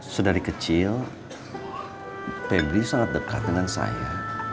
sudah dari kecil pebri sangat dekat dengan saya